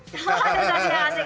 hahaha sensasi yang asik